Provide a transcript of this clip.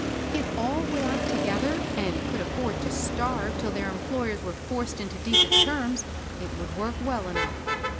K all would act together, and could afford to starve till their employers were forced into de cent terms, it would work well enough.